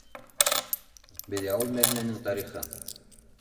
Белә ул Мәҙинәнең тарихын.